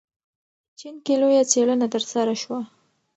چین کې لویه څېړنه ترسره شوه.